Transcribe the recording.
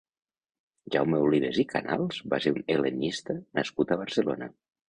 Jaume Olives i Canals va ser un hel·lenista nascut a Barcelona.